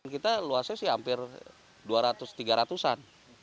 kita luasnya sih hampir dua ratus tiga ratus an